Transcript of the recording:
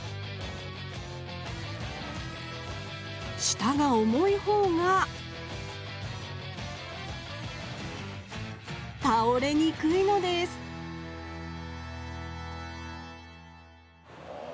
下が重い方がたおれにくいのですあ